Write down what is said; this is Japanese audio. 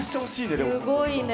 すごいね。